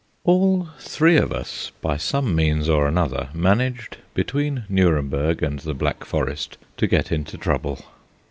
All three of us, by some means or another, managed, between Nuremberg and the Black Forest, to get into trouble.